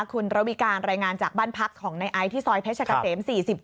คุณระวิการรายงานจากบ้านพักของในไอซ์ที่ซอยเพชรเกษม๔๗